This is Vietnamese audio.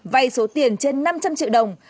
vay số tiền trên năm trăm linh triệu đồng